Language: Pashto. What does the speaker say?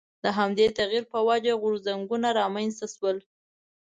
د همدې تغییر په وجه غورځنګونه رامنځته شول.